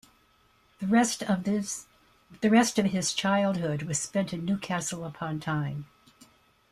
The rest of his childhood was spent in Newcastle upon Tyne.